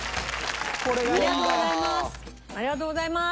ありがとうございます。